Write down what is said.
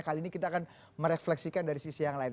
kali ini kita akan merefleksikan dari sisi yang lain